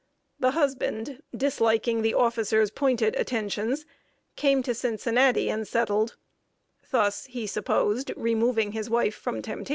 The husband, disliking the officer's pointed attentions, came to Cincinnati and settled thus, he supposed, removing his wife from temptation.